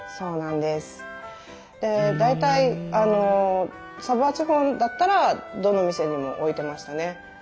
で大体サヴォワ地方だったらどの店にも置いてましたね。